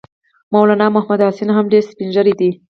مولنا محمودالحسن هم ډېر سپین ږیری دی.